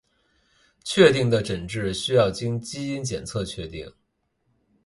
确定的诊治需要经基因检测确定。